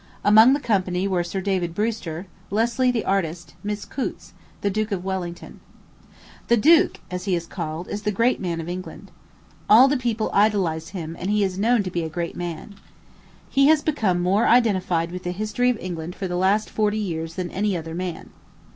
Among the company were Sir David Brewster, Leslie the artist, Miss Coutts, the Duke of Wellington. "The duke," as he is called, is the great man of England. All the people idolize him, and he is known to be a great man. He has become more identified with the history of England for the last forty years than any other man.